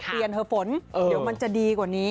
เปลี่ยนเหรอผมเดี๋ยวมันจะดีกว่านี้